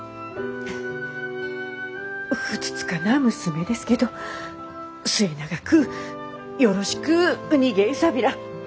ふつつかな娘ですけど末永くよろしくお願いさびら。